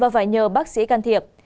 phải nhờ bác sĩ can thiệp